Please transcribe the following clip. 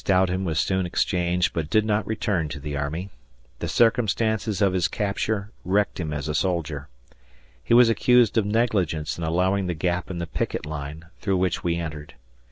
Stoughton was soon exchanged but did not return to the army. The circumstances of his capture wrecked him as a soldier. He was accused of negligence in allowing the gap in the picket line through which we entered.